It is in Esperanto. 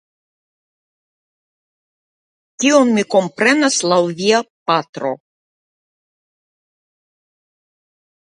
Tion mi komprenas laŭ via patro.